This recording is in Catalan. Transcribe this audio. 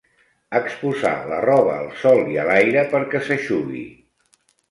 Exposar la roba al sol i a l'aire perquè s'eixugui.